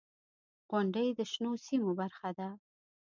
• غونډۍ د شنو سیمو برخه ده.